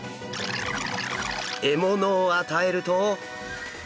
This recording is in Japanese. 獲物を与えると。